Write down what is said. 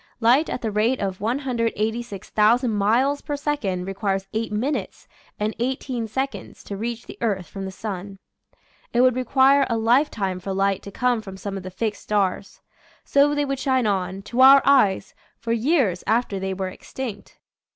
Light at the rate of 186,000 miles per second requires eight minutes and eighteen seconds to reach the earth from the sun. It would require a lifetime for light to come from some of the fixed stars. So they would shine on, to our eyes, for years after they were extinct.